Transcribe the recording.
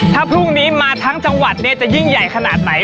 ถ้าพรุ่งนี้มาทั้งจังหวัดจะยิ่งใหญ่ขนาดไหน